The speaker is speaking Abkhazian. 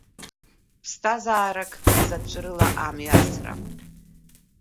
Ԥсҭазаарак заҵәрыла амҩасра!